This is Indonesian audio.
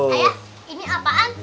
ayah ini apaan